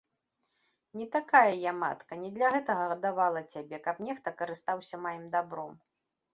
Не такая я матка, не для гэтага гадавала цябе, каб нехта карыстаўся маім дабром.